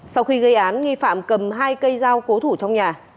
sau khi gây án nghi phạm cầm hai cây dao cố thủ trong nhà